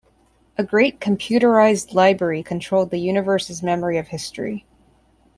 A great computerized library controlled the universe's memory of history.